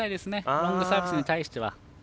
ロングサービスに対しては。